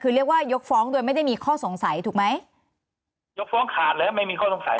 คือเรียกว่ายกฟ้องโดยไม่ได้มีข้อสงสัยถูกไหมยกฟ้องขาดแล้วไม่มีข้อสงสัย